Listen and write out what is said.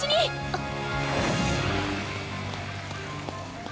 あっ。